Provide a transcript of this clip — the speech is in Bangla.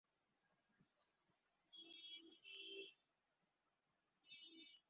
এরপর থেকে তাদের আনসার বলে অবিহিত করা হতে থাকে।